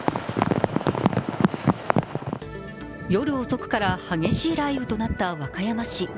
夜遅くから激しい雷雨となった和歌山市。